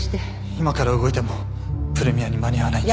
今から動いてもプレミアに間に合わないんじゃ。